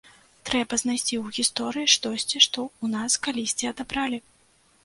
Трэба знайсці ў гісторыі штосьці, што ў нас калісьці адабралі.